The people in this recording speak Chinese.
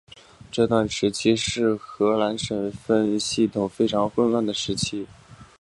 这段期间是荷兰省分系统非常混乱的时期。